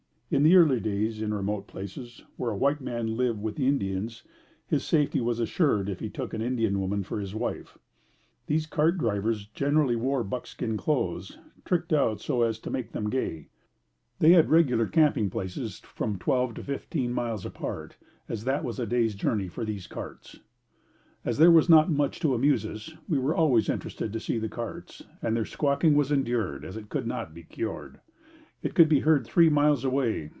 In the early days, in remote places, where a white man lived with the Indians, his safety was assured if he took an Indian woman for his wife. These cart drivers generally wore buckskin clothes, tricked out so as to make them gay. They had regular camping places from twelve to fifteen miles apart, as that was a day's journey for these carts. As there was not much to amuse us, we were always interested to see the carts and their squawking was endured, as it could not be cured. It could be heard three miles away.